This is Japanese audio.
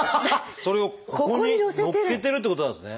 それをここにのっけてるってことなんですね。